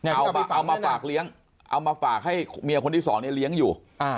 เอามาฝากเลี้ยงเอามาฝากให้เมียคนที่สองเนี่ยเลี้ยงอยู่